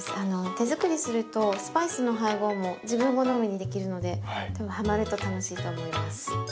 手作りするとスパイスの配合も自分好みにできるので多分ハマると楽しいと思います。